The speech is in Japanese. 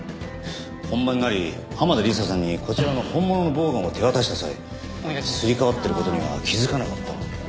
本番になり濱田梨沙さんにこちらの本物のボウガンを手渡した際すり替わってる事には気づかなかった？